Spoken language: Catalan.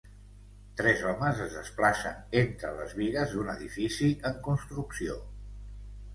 Tres homes es desplacen entre les bigues d'un edifici en construcció.